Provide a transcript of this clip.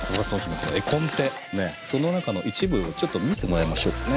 その中の一部をちょっと見てもらいましょうかね。